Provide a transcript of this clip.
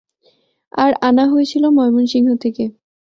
আর আনা হয়েছিল ময়মনসিং থেকে।